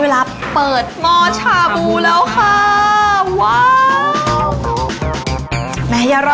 เริ่มเลยค่ะ